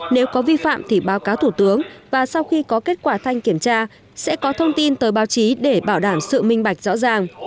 nếu có vi phạm thì báo cáo thủ tướng và sau khi có kết quả thanh kiểm tra sẽ có thông tin tới báo chí để bảo đảm sự minh bạch rõ ràng